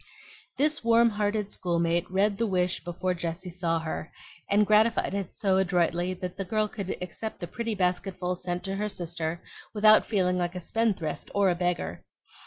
This warm hearted schoolmate read the wish before Jessie saw her, and gratified it so adroitly that the girl could accept the pretty basketful sent to her sister without feeling like a spendthrift or a beggar.